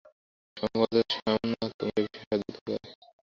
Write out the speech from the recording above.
সম্ভবত সামান্না তোমায় এ বিষয়ে সাহায্য করতে পারে।